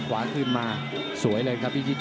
ขวาคืนมาสวยเลยครับวิพิชิชัย